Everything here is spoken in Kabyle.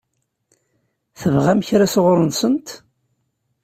Tebɣam kra sɣur-sent?